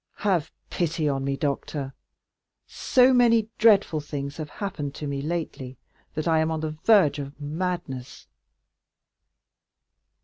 "Have pity on me doctor! So many dreadful things have happened to me lately that I am on the verge of madness."